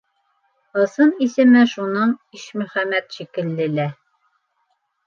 Ысын исеме шуның Ишмөхәмәт шикелле лә.